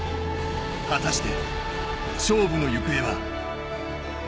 果たして、勝負の行方は。